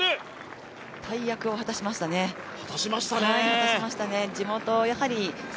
大役を果たしましたね。